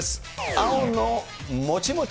青のもちもち